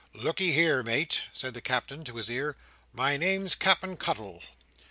"Look'ee here, mate," said the Captain in his ear; "my name's Cap'en Cuttle."